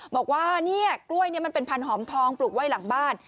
บอกว่าเนี่ยกล้วยนี้มันเป็นพันธอมทองปลูกไว้หลังบ้าน